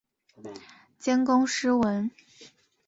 兼工诗文。